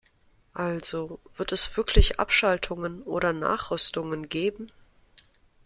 Also, wird es wirklich Abschaltungen oder Nachrüstungen geben?